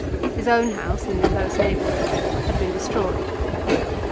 His own house in the close neighbourhood had been destroyed.